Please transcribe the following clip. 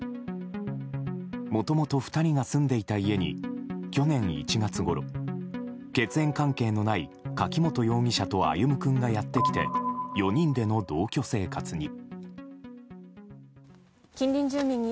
もともと２人が住んでいた家に去年１月ごろ血縁関係のない柿本容疑者と歩夢君がやってきて４人での同居生活に。